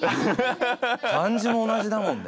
漢字も同じだもんね。